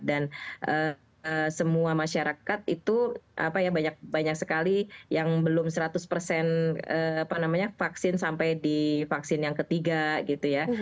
dan semua masyarakat itu banyak sekali yang belum seratus vaksin sampai di vaksin yang ketiga gitu ya